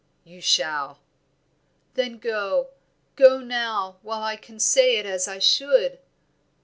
"You shall." "Then go; go now, while I can say it as I should."